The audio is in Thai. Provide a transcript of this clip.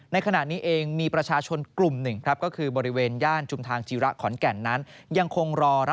ในขณะนี้เองมีประชาชนกลุ่มหนึ่ง